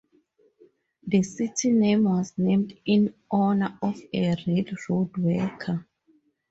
The city was named in honor of a railroad worker.